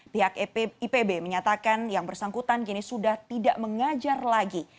pihak ipb menyatakan yang bersangkutan kini sudah tidak mengajar lagi